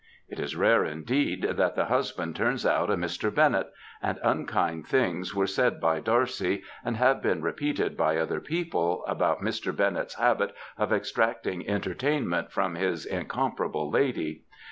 It is rare indeed that the husband turns out a Mr. Bennett, and unkind things were said by Darcy and have been repeated by other people, about Mr. Bennett^s habit of extracting entertainment from his in comparable lady.